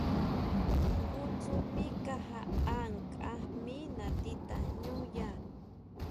Jngu tsujmí kajaʼá nkʼa jmí nati tajñúya.